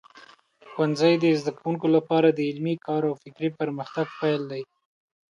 ښوونځی د زده کوونکو لپاره د علمي کار او فکري پرمختګ پیل دی.